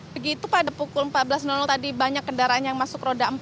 begitu pada pukul empat belas tadi banyak kendaraan yang masuk roda empat